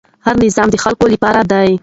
هر نظام د خلکو لپاره دی